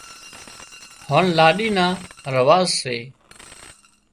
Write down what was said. هانَ لاڏِي نا رواز سي